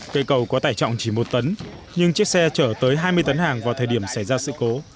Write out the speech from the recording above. cây cầu có tải trọng chỉ một tấn nhưng chiếc xe chở tới hai mươi tấn hàng vào thời điểm xảy ra sự cố